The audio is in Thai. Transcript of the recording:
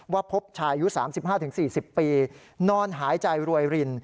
พบชายอายุ๓๕๔๐ปีนอนหายใจรวยริน